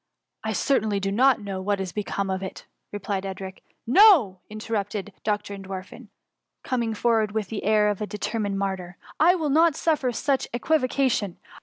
''" I certainly do not know what is become of it,'' replied Edric. " No !" interrupted Dr. Entwerfen, coming forward with the air of a determined martyr. S40 THE MUMMY. I will not suffer such equivocation.